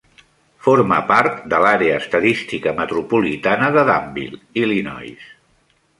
Forma part de l'Àrea estadística metropolitana de Danville, Illinois.